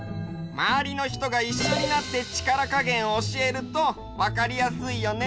まわりの人がいっしょになって力加減を教えるとわかりやすいよね。